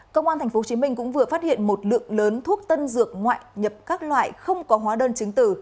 công an tp hcm cũng vừa phát hiện một lượng lớn thuốc tân dược ngoại nhập các loại không có hóa đơn chứng tử